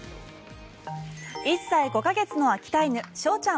１歳５か月の秋田犬翔ちゃん。